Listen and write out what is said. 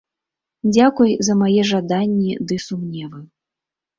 Дзякуй за мае жаданні ды сумневы.